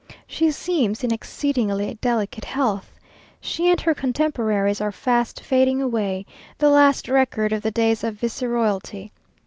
She seems in exceedingly delicate health. She and her contemporaries are fast fading away, the last record of the days of Viceroyalty.